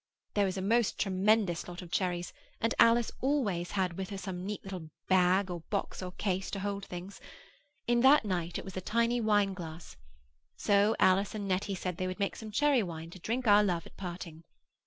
There was a most tremendous lot of cherries; and Alice always had with her some neat little bag or box or case, to hold things. In it that night was a tiny wine glass. So Alice and Nettie said they would make some cherry wine to drink our love at parting.